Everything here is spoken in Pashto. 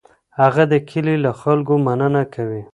هغه د کلي له خلکو مننه کوي.